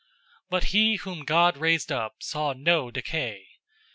013:037 But he whom God raised up saw no decay.